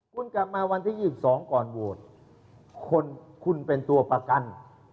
คุณกลับมาวันที่๒๒ก่อนโหวตคุณเป็นตัวประกัน